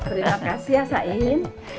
terima kasih ya sain